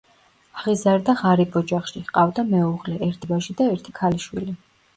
აღიზარდა ღარიბ ოჯახში, ჰყავდა მეუღლე, ერთი ვაჟი და ერთი ქალიშვილი.